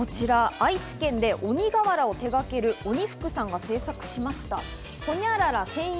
愛知県で鬼瓦を手がける鬼福さんが制作しました。